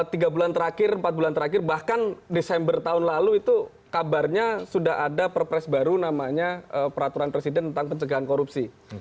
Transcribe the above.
tiga bulan terakhir empat bulan terakhir bahkan desember tahun lalu itu kabarnya sudah ada perpres baru namanya peraturan presiden tentang pencegahan korupsi